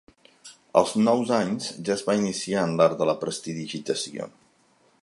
Als nous anys ja es va iniciar en l'art de la prestidigitació.